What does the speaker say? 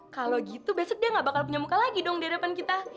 kalau gitu besok dia gak bakal punya muka lagi dong di hadapan kita